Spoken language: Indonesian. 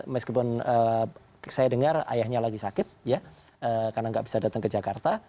meskipun saya dengar ayahnya lagi sakit ya karena nggak bisa datang ke jakarta